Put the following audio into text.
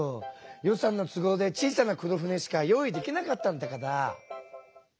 予算の都合で小さな黒船しか用意できなかったんだから。